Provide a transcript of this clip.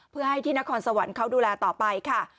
เพื่อให้ที่นครสวรรค์เขาดูแลต่อไปค่ะ